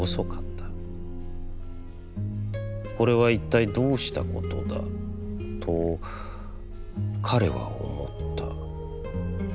『これはいったいどうしたことだ』と、彼は思った。